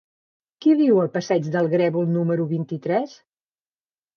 Qui viu al passeig del Grèvol número vint-i-tres?